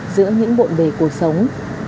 giữa những bộn bề cuộc sống